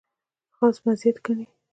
خاص مزیت ګڼي.